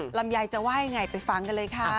อ้ะลำยายจะไหว้อย่างไรไปฟังกันเลยค่ะ